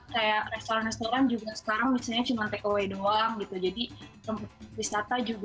kayak restoran restoran juga sekarang misalnya cuma take away doang gitu jadi tempat wisata juga